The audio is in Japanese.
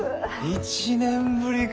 １年ぶりか。